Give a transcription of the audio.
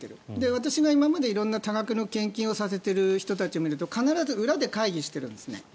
私が今まで多額の献金をさせている人を見ると必ず裏で会議しているんですね。